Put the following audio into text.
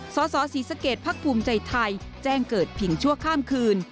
สอศรีสเกตภักดิ์ภูมิใจไทยแจ้งเกิดผิงชั่วข้ามคืน